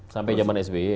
sampai zaman sby